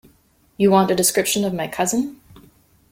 You want a description of my cousin?